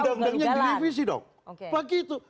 undang undangnya direvisi dong begitu